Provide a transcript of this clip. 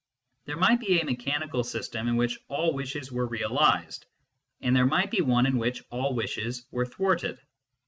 There might be a mechanical system in which all wishes were realised, and there might be one in which all wishes were thwarted.